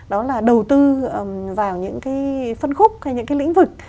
đó là đầu tư vào những cái phân khúc hay những cái lĩnh vực